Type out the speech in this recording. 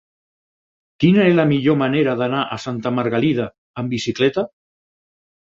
Quina és la millor manera d'anar a Santa Margalida amb bicicleta?